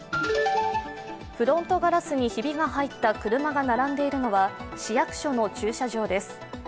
フロントガラスにひびが入った車が並んでいるのは市役所の駐車場です。